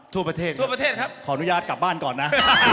ทั่วประเทศค่ะขออนุญาตกลับบ้านก่อนนะ